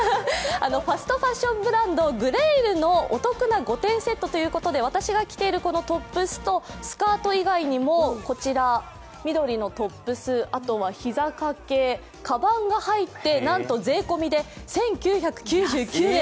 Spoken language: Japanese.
ファストファッションブランド、ＧＲＬのお得な５点セットということで、私が着ているトップスとスカート以外にも、緑のトップス、膝掛け、かばんが入って税込みで１９９９円。